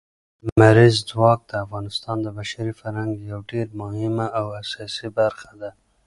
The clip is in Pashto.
لمریز ځواک د افغانستان د بشري فرهنګ یوه ډېره مهمه او اساسي برخه ده.